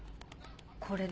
これで？